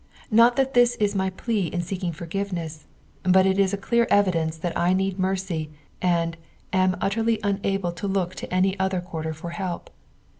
Not that this is my plea in seeking for{[iveDCS8, but it is n clear evidence that I need mercy, and nm utterly uoable to look to any other quurter for help.